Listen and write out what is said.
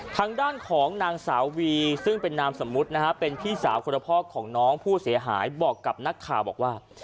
ทางด้านของนางสาววีซึ่งเป็นนามสมมุตินะฮะเป็นพี่สาวคนละพ่อของน้องผู้เสียหายบอกกับนักข่าวบอกว่า